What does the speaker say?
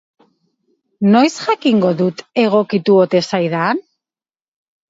Noiz jakingo dut egokitu ote zaidan?